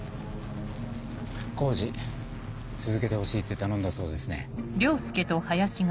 工事続けてほしいって頼んだそうですね。